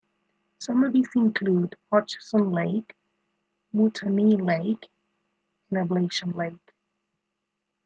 Some of these include Hodgson Lake, Moutonnee Lake and Ablation Lake.